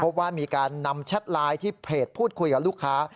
พบว่ามีการนำแชทไลน์ที่เพจพูดคุยกับลูกค้า